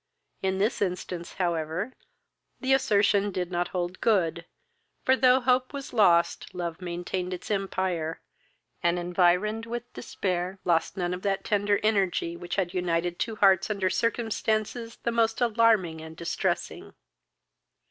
In this instance, however, the assertion did not hold good; for, though hope was lost, love maintained its empire, and, environed with despair, lost none of that tender energy which had united two hearts under circumstances the most alarming and distressing.